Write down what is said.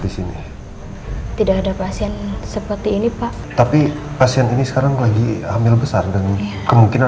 di sini tidak ada pasien seperti ini pak tapi pasien ini sekarang lagi hamil besar dan kemungkinan